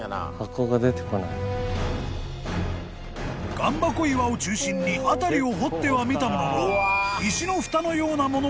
［岩箱岩を中心に辺りを掘ってはみたものの］